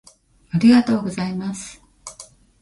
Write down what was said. ありがとうございます。